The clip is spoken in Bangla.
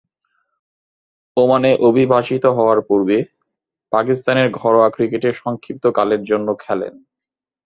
ওমানে অভিবাসিত হবার পূর্বে পাকিস্তানের ঘরোয়া ক্রিকেটে সংক্ষিপ্তকালের জন্য খেলেন।